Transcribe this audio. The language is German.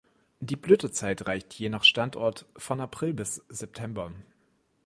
Die Blütezeit reicht je nach Standort von April bis September.